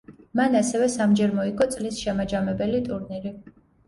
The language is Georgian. მან ასევე სამჯერ მოიგო წლის შემაჯამებელი ტურნირი.